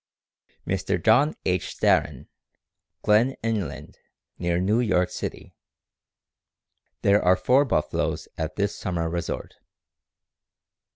Mr. John H. Starin, Glen Inland, near New York City. There are four buffaloes at this summer resort.